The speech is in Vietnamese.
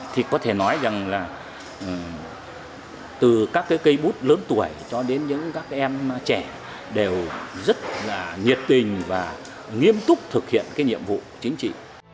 thì có thể nói rằng là từ các cây bút lớn tuổi cho đến các em trẻ đều rất nhiệt tình và nghiêm túc thực hiện nhiệm vụ chính trị